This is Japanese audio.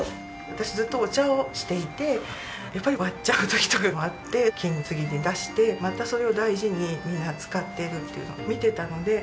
私ずっとお茶をしていてやっぱり割っちゃう時とかもあって金継ぎに出してまたそれを大事にみんな使っているっていうのを見てたので。